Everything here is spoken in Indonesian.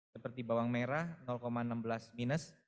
seperti bawang merah enam belas minus